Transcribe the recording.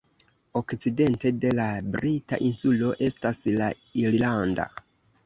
Okcidente de la brita insulo estas la irlanda.